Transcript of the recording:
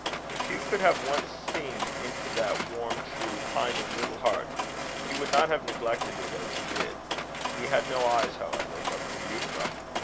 If Hugh could have once seen into that warm, true, pining little heart, he would not have neglected it as he did. He had no eyes, however, but for Euphra.